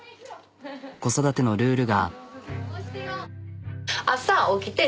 子育てのルールが。